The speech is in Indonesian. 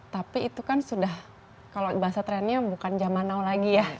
tapi itu kan sudah kalau bahasa trennya bukan zaman now lagi ya